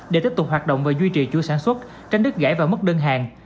để tiếp tục hoạt động và duy trì chuỗi sản xuất tránh đứt gãy và mất đơn hàng